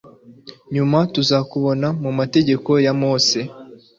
nyuma tuza kubona mu mategeko ya mose